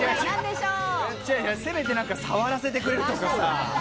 せめて何か触らせてくれるとかさぁ。